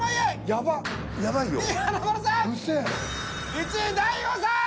１位大悟さん！